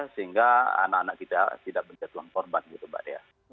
sehingga anak anak kita tidak berjatuhan korban gitu mbak dea